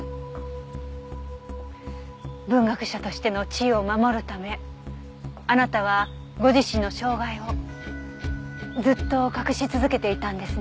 文学者としての地位を守るためあなたはご自身の障害をずっと隠し続けていたんですね。